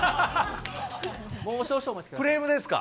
クレームですか？